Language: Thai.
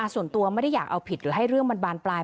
ส่วนตัวไม่ได้อยากเอาผิดหรือให้เรื่องมันบานปลาย